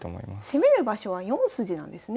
攻める場所は４筋なんですね。